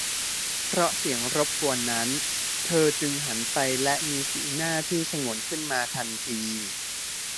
เพราะเสียงรบกวนนั้น เธอจึงหันไปและมีสีหน้าที่ฉงนขึ้นมาทันที